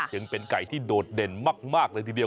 ยังเป็นไก่ที่โดดเด่นมากเลยทีเดียว